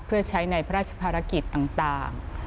เพื่อใช้ในพระราชภารกิจต่าง